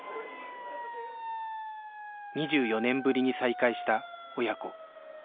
２４年ぶりに再会した親子